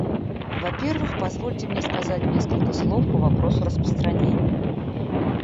Во-первых, позвольте мне сказать несколько слов по вопросу распространения.